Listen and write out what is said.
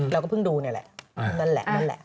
เราก็เพิ่งดูนี่แหละนั่นแหละ